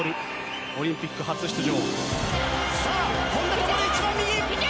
オリンピック初出場。